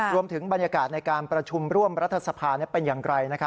บรรยากาศในการประชุมร่วมรัฐสภาเป็นอย่างไร